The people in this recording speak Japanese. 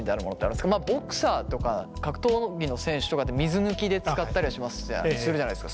まあボクサーとか格闘技の選手とかで水抜きでつかったりするじゃないですか。